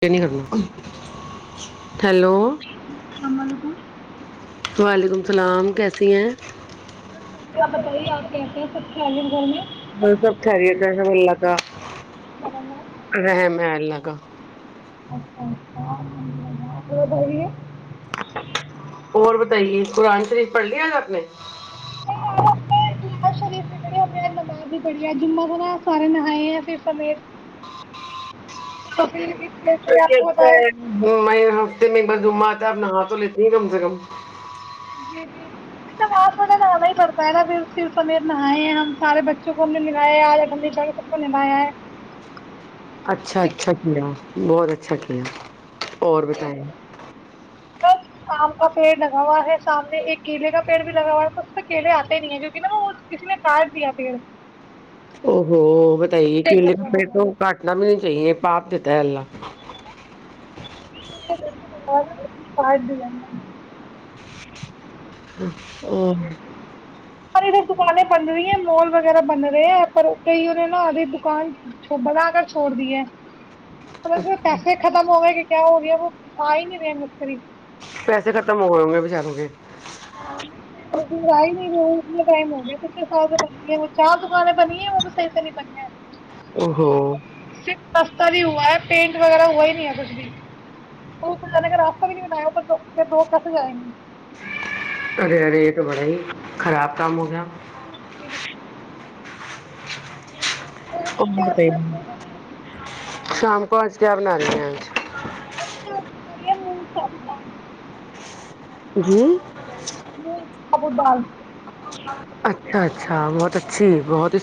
کہ نہیں کرنا ہیلو السلام علیکم وعلیکم السلام کیسی ہیں بس آ بدائی ہی آ کہتے ہیں خم گور میں اور سب ٹھہری کا سب اللہ کا اچھا رحم ہے اللہ کا اچھاچ ب ہے اور بتائیے قرآن شریف پڑھ لیا آج آپ نے ار شریف بھی پڑھی ہم نماز ہی پڑھی ہے جمما س نا سارے نائے ہیں پھر سمیت کل تو اچھا ہے میں ہفتے میں بس جما آتا ہے اپ نہا تو لیتی ہیں کم سے کم جی جی توا نہانا ہی پڑتا ہے نا پھر اس ست نہائے ہم سارے بچوں کو ہم نےائے آ سب کو نلاایا ہے اچھا اچھا کیا بہت اچھا ک اور بھی تائیں بس آم کا پیڑ لگا ہوا ہے سامنے ایک کیلے کا پیڑ بھی لگا ہوا ہے ب تو کیلے آتے نہیں ہے جوہ نا وہ کسی نے کاٹ دیا پیڑ ا ہو بتائیے ایک گھر کہے کا لگا پھر ہوا ہے۔ تو کاٹنا بھی تو یہ پپ دیتا ہے اللہ [inaudible] پد ج [inaudible] اورو [inaudible] ساری تو دکانیں بن رہی ہیں مال وغیرہ بن رہے ہیں پر کئی ان نے نہا آدھی دکان بنا کر چھوڑ دی ہے مط پیسے ختم ہو گ گ کیا ہو گیا وہ آ ہی نہیں رہے مت قریب پیسے ختم ہو گؤ گے بچاروں کے ہاںم ہو گیاچھ ب وہ چار دکانیں بنی ہے وہ تو صیح سے نہیں بنی ہے او ہو سسہ بھی ہوا ہے پینٹ وغیرہ ہوا ہی نہیں ہے کچھ بھی تو جانے کا راستہ بھی نہیں بیا دو کس جائیں گے ارے ریٹ بڑا ہی خراب کام ہو گیا کم پ شام کونچ کیا بنا رہی ہیں آج مری م ستا ہی ن کے سابو ڈال اچھا اچھا بہت اچھی بہت ہی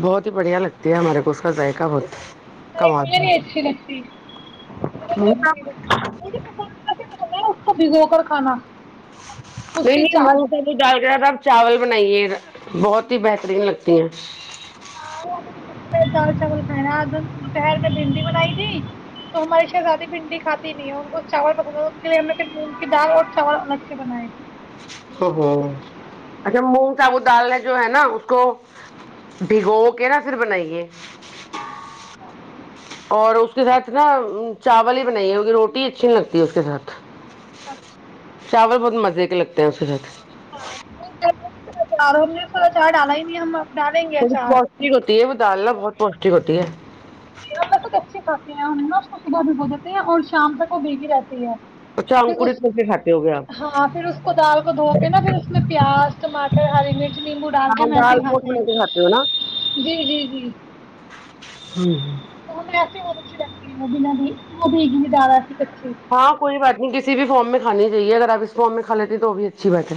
بہت ہی بڑھیا لگتی ہے ہمارے کو اس کا ذائقہ بہت نہیں مج نہیں اچچ نکتی م کا مجھے اس کو بھگو کر کھانا اس نہیں کی نہیں چاٹ من کا بھی ڈال گ تھا چاول بنائیے بہت ہی بہترین لگتی ہیں ر دال چاول کھائے آج ہم دوپہر میں بھنڈی بنائی تھی تو ہماری شہزادی بھنڈی کھاتی نہیں ہے ان کو چاول ان کے لیے ہم نے م کی دال اور چاول الگ سے بنائے ا اچھا مونگ سابوت دال نے جو ہے نا اس کو بھگو کے نا پھر بنائیے اچھا اور اس کے ساتھ نا چاول ہی بنائیے ہوی روٹی اچھی نہیں لگتی ہے اس کے ساتھ اچھا چاول بہت مزے کے لگتے ہیں اس وقت ہاں تو اچار ہم نے اس اچار ڈالا ہی نہیں ہم ڈالیں گے تھوڑی اچار پوشٹک ہوتی ہے وہ ڈالنا بہت پوشٹک ہوتی ہے ن م تو کچے کاا نا اس کو صبح میں بو دیتے ہیں اور شام تک وہ بھیگی رہتے ہیں اچھا پھر اس انکرت میں سے کھاتے ہو گے آپ ہاں پھر اس کو دال کو دھو کے نا پھر اس میں پیاز ٹماٹر ہری ک نیمبو ڈال کے ہاں میسی ہی دال موٹ کھاتے بنا کے کھاتے ہو نا جی جی جی ہوں ہ تو ہمیں ایسے بہت اچھے لگتی ہیں جنہ د تو وہ دیک گی زدہ ہاں کوئی بات نہیں کسی بھی فارم میں کھانی چاہیے اگر آپ اس فارم میں کھا لیتی تو وہ بھی اچھی بات ہے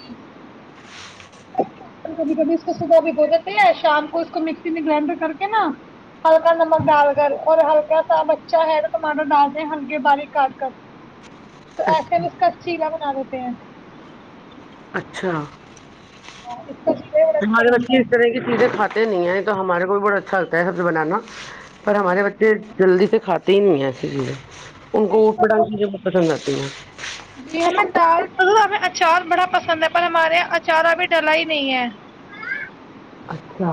جی کبھی کبھی اس کو صبح بھی ہو جتے ہے شام کو اس کو مکسی میں گرائنڈر کر کے نا ہلکا نمک ڈال کر اور ہلکا ساب اچھا ہے تو ٹماٹر ڈالتے ہیں ہلکی بار کاٹ کر تو ایسس کر چیلا بنا دیتے ہیں اچھا ہاں ہمارے بچے اس طرح کی چیزیں کاتے نہیں ہیں تو ہمارے کوئی بڑا اچھا [unintelligible] پر ہمارے بچے جلدی سے کاتی ہی نہیں ہے ای چیز جی میں چال دک اچار بڑا پسند ہے پر ہمارے یہاں اچار ابھی ڈلا ہی نہیں ہے اچھا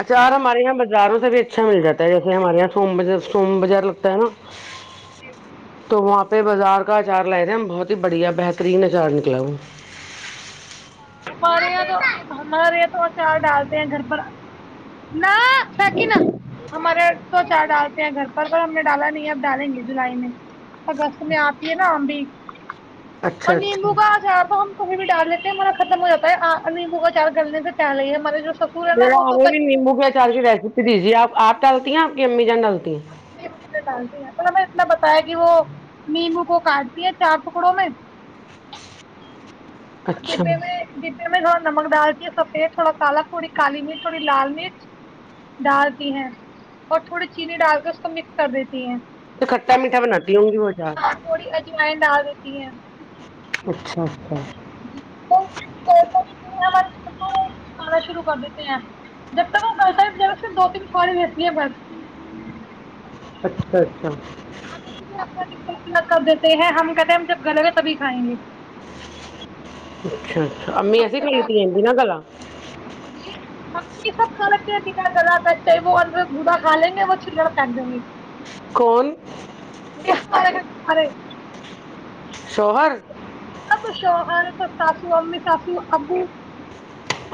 اچار ہمارے یہاں بازاروں سے بھی اچھا مل جاتا ہے جیسے ہمارے یہاں سوم ب سوم بازار لگتا ہے نا جی تو وہاں پہ بازار کا اچار لائے تھے بہت ہی بڑھیا بہترین اچار نکلا وہ ہمارے یہاں تو ہمارے یہاں تو اچار ڈالتے ہیں گھر پر نہ فک نا ہمارے تو چار ڈالتے ہیں گھر پر پر ہم نے ڈالا نہیں ہے اب ڈالیں گے جولائی میں اگست میں آتی ہے نا ہم بھی اچھا اور اچھا نمبو گاج آب ھر بھی ڈال لیتے ہیں ہمارا ختم ہواتا ہے نمو کا چار گلنے سے پہلے ہی ہے ہمارے جو سسر ہے جا نا وہ تو آویں بھی نمو کے ڈال کے ریسپی دیجی آپ ڈالتی ہیں آپ امی جان ڈالتی ہیں [unintelligible] میں بتایا کہ وہ نیمبو کو کاٹتی ہے چار ٹکڑوں میں اچھا کت میں جتنے میں س نمک ڈال دی ہیں سفید تھوڑا کالا تھوڑی کالی مرچ تھوڑی لال مرچ ڈال دی ہیں اور تھوڑی چینی ڈال کے اس کو مکس کر دیتی ہیں تو کھٹا میٹھا بناتی ہوں گی وہ جد یہ اچھا اچھا آنا شروع کر دیتے ہیں جب تک وہ کرتا ج سے دو تین سواری رہتی ہیں بس اچھا اچھا کتنا کر دیتے ہیں ہم کہتے ہیں ہم جب گلے ہو تبھی کھائیں گے ہ [unintelligible] اچھا اچھا امی ایسیے کال ت جی نہا گلا جی ہم یہ سب کھ رک بنا گلا وہ بڑھا کھ لیں گے وہ چل پ دے کون مارے شوہر اب شوہر سب ساسو امی ساسو ابو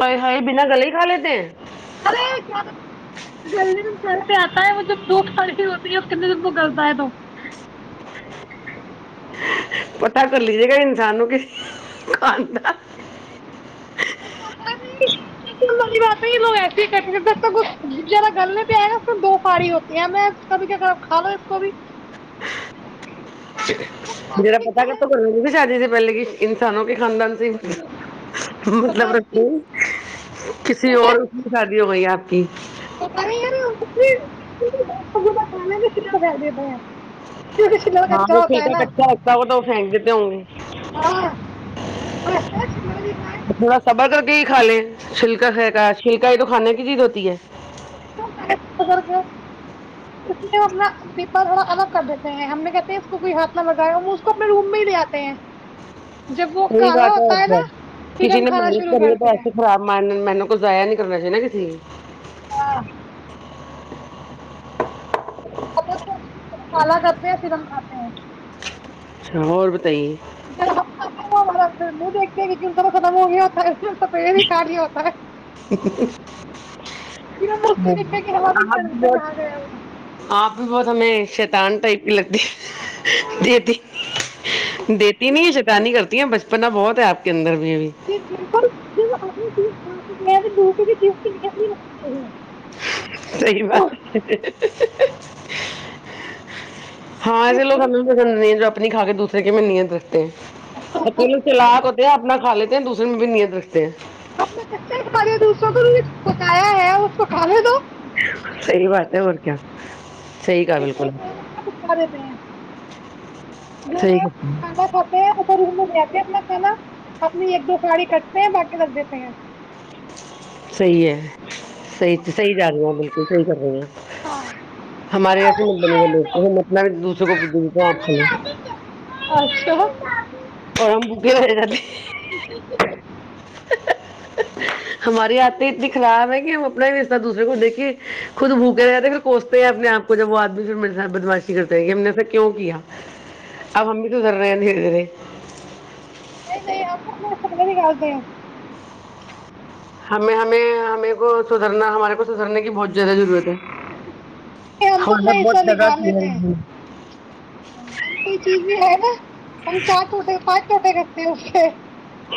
ہائی ہائی بنا گل ہی کھا لیتے ہیں ارے گللتے آتا ہے وہ جب دھوپ کھڑی ہوتی ہے اور کتنے دن کو گلتا ہے تو پتاہ کر لیجے گا انسان ن کہ کانا والی بات ہے لوگ ایسے ہیا گلنے پہ آئے گا دو فڑی ہوتی کبھی کیا کر کھا لو اس کو بھی وہ کھاتے جرا بھی پتا کیا کرت ہے تو کرنا بھی شادی سے پہلے کی انسانوں نہیں خاند مطلب پتا ری کسی اور اس کی شادی ہو گئی ہے کہ کھا ش کر دتے ہاں وہ کھلکا کچا رتا وہ تو وہ پھینک دیتے ہوں گ ہاں میں شلر بھی کھائے تھوڑا سبر کر ہی کھا لیں شلکا کا شلکا ہی تو کھانے کی چیز ہوتی ہے اسے اپنا دیپا تھوڑا الگ کر دیتے ہیں ہم نے کہتے ہیں اس کو کوئی ہاتھ نہ لگایا اس کو اپنے روم میں ہی لے آتے ہیں جب وہ صی کالا بات ہے اور ہوتا کیا نا پھر کسی ہم نے کھانا محنت شروع کری ہے تو کرتے ہیں ایسے خراب م م کچھ ضایا نہیں کرنا چاہی نا کسی ہاں کالا کرتے ہیں پھر ہم آتے ہیں اچھا اور بتائیے جا ہم پھر من دتے کہ جن تو سد منہی ہوتا ہے سف بھی کٹ ہوتا ہےک کے بھی ج ک گیا وہ آپ بھی بہت شیتان ٹائپ کی لگتی ہے دیتی دیتی نہیں ہے شیتانی ہی کرتی ہے بچپنا بہت ہے آپ کیندر بھی بھی جی بالکل چیز چز خالی اوج عا رہی ہے ہاں ایسے اس لوگ لیے ہمنا بھی پسند نہیں ہیں جو اپنی کا کے دوسر کے منی ار اکیل چلا کوتے اپنا خالے د دوسریے مہی نہیںیا دکھتے ہیں اپنے کچا کے بارے دوسروں کو بتایا ہے اس کو کاے دو صحی بات ہے اور کیا صحیح کہا بالکل ا دیتے ہیں جو صحیح کہا، کاندا کھاتے ہیں اھر [unintelligible] اپنا کھانا اپنی ایک دو کھلاڑی کٹتے ہیں باقی رکھ دیتے ہیں صحی ہے سی سحی جا رہی ہ بالکل سحی کر رہی ہیں ہمارے یہسے مط نہیں لوتے ہم مطنا بھی دوسرے کو پج گی تو آکھ اچھا اورورم بکی و جاتے ہماری آات اتنی خراب ہے کہ ہم اپنا ہی رسہ دوسر کو دیکے خود بھوکے رہاتتے پھر کوستے ہیں اپنے آپ کو جب وہ آدمی پھر میرے ساتھ بدماشی کرتے کہ ہم نے ایسا کیوں کیا آ ممی تودر نن ہے [inaudible] آپ سنے نہیں کرتے ہو [unintelligible] ہمیں ہمیں ہمیں کو سدھرنا ہمارے کو سدھرنے کی بہت زیادہ ضرورت ہے ہم تو اپنا ہمارا حصہ بہت نکال لیتے ہیں زیادہ ہم کوئی چیز بھی ہے نا ہم چار چوٹ پانچ چوٹے کا ج [unintelligible] [inaudible]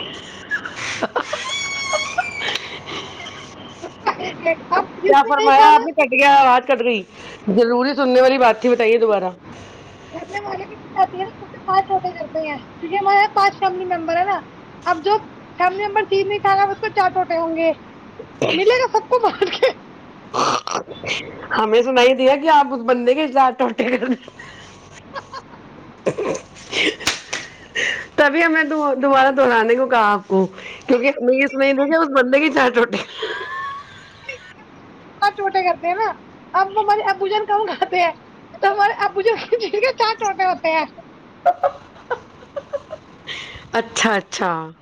سب کا ایک ایک اب کیا جس نے نہیں فرمایا آپ کھانا بھی کٹ گیا آواز کٹنی جروری سننے والی بات ہی بتائیے دوبارہ ے ہے نا [unintelligible] پانچ چوٹ کرتے ہیں کیکہ ہمارے یہاں پانچ فیملی ممبر ہے نا اب جو فیملی ممبر چیز نہیں کھانا اس کو چار چٹوٹے ہوں گے ملے گا سب کو بار کے ہمیں سن ہی دیا کہ آپ اس بندے کے چار وٹے کر تبھی ہمیں دوبارہ دوہرانے کو کہ آپ کو کیونکہ ہمیں یہ سنا دیا کہ اس بندے کی چار وٹی چار چوٹے کرتے ہیں نا اب ہمارے ابو جن کہوں کھاتے ہیں تو ہمارے ابو جن چار چوٹے ہوتے ہیں اچھا اچھا [unintelligible]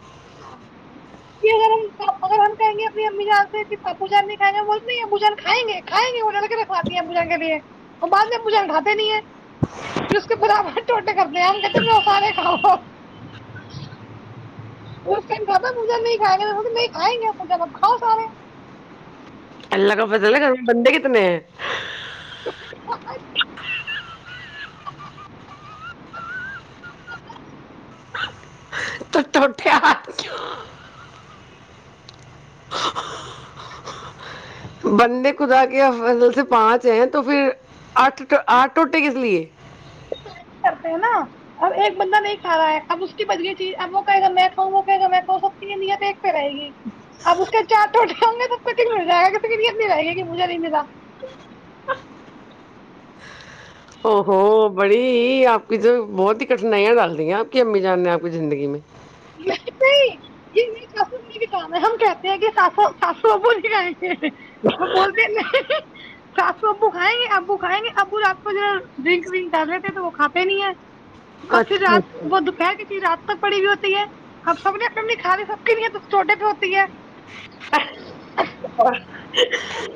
یہ اگر ہم کہیں گے اپنی امی جان سےپوجان نہیں کھائے گا بولتے یہ پوجن کائیں گے کھیں گے انہ کھاادیا مریں کے لیے [unintelligible] ہم بد میں مجھے اٹاتے نہیں ہیں پھر اس کے پرا ک کر د آ ہم کہتے بھی سارے کھاؤ ا نہیں کھائےیں گا کھائیں گے کاؤ سارے اللہ کا فضل کر بندے کتنے ہیں تو ٹوٹے آ کی بندے خدا کے فصل سے پانچ ہیں تو پھر آٹھ آٹھ ٹوٹے کس لیے کرتے ہیں نا اب ایک بندہ نہیں کا رہا ہے اب اس کی بد گ چیز اب وہ کہے گا میں کھاں وہ کہے گا میں کہوں سب چیزیں رہے گی اب اس کے چار چوٹ سوں گے تو سب ت مل جائے گانی رہ گ ہے مجھا لا او ہوو بڑی یہ آپ کی تو بہت ہی کٹھنائیاں ڈال رہی ہیں آپ کی امی جان نے آپ کی زندگی میں [unintelligible] کانا ہم کہتے ہیں کہ سات سو سات سو بول گئے وہ بولتے ہیں ن [unintelligible] س آات سو ابو کھائیں گے ابو کھائیں گے ابو آپ کو جو ڈرنک ونک کر رہتےے تو وہ کھاتے نہیں ہے اور پھر رات اچھا وہ دوپہر کے چیز رات پڑی ہوئی ہوتی ہے ہمب سب نے اپ نہیں کا لے سب [unintelligible] چھوٹے پوتی ہے خالی اوج عا رہی ہے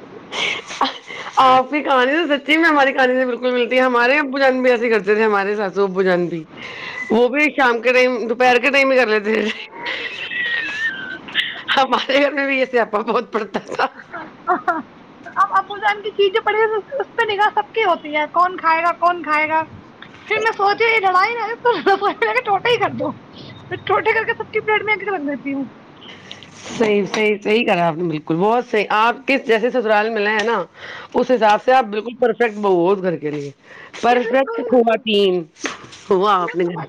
آپ کی کہانی سے سچی میں ہماری کہانی سے بالکل ملتی ہے ہمارے ابو جان بھی ایسے کرتے تھے ہمارے ساتھ ب جان وہ بھی شام کے ٹائم توپہیر کے ٹائم میں کر لیتے تھ [inaudible] ہ ماتے گھر میں بھی ایسےپا بہت پڑتا تھا خالی اوج عا رہی ہے اب ابو جان کی چیز جو پڑی اس پہ نگاہ سب کی ہوتی ہے کون کھائے گا کون کھائے گا پھر میں سوچیا یہ لڑائی ہی رہے کے ٹوٹا ہی کر دو تو چٹوٹے کر کے سب کی پلیٹ میں لگ دیتی ہوں صحیحیحیح کرا آپ نے بالکل بہت صحیح آپ کس جیسے سسرال ملے ہیں نا اس حساب سے آپ بالکل پرفیکٹ بو اس گھر کے لیے پرفیکٹ بالکل ہوا م ہوا میں آپ نے سمجھ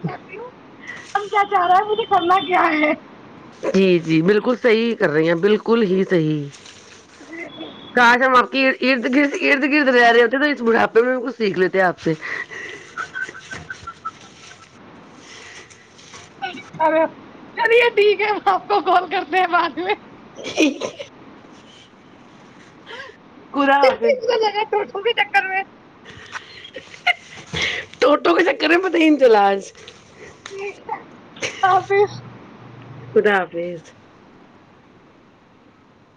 سما کیاے جی جی بالکل صحی کر رہی ہیں بالکل ہی صی کاش ہم آپ کی ارد گ گرد گرد لے رہے تھ بڑا تو ب کچ سیکھ لیتے آپ سے چلیے ٹھیک ہے آپ کو کال کرتے ہیں بعد میں ا حافظ لاب تک کلو ٹوٹو کے چکر میں پت ہی جلاج آفظ تریز